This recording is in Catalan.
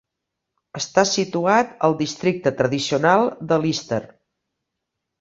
Està situat al districte tradicional de Lister.